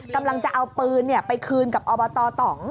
กำลังจะเอาปืนไปคืนกับอบตตอง